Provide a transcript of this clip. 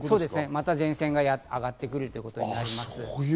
また前線が上がってくるということです。